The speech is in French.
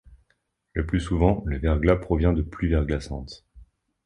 Le plus souvent le verglas provient de pluie verglaçante.